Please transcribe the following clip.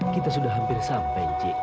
kita sudah hampir sampai cik